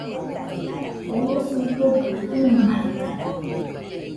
Oo ɨfogɨ uinaide